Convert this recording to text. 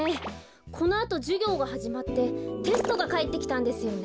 このあとじゅぎょうがはじまってテストがかえってきたんですよね。